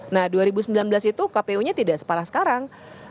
nah dua ribu sembilan belas itu kpu nya tidak separah sekarang